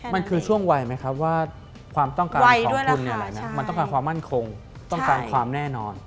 มันคือช่วงวัยไหมครับว่าความต้องการของคุณมันต้องการความมั่นคงต้องการความแน่นอน